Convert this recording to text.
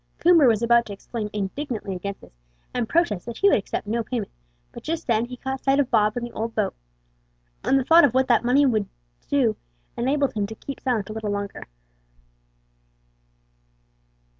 Coomber was about to exclaim indignantly against this, and protest that he would accept no payment; but just then he caught sight of Bob and the old boat, and the thought of what that money would enable him to do kept him silent a little longer.